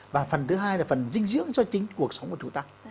và phần thứ hai là phần dinh dưỡng cho chính cuộc sống của chúng ta